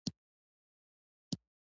ویده ماشوم د مور په غېږ کې ارام وي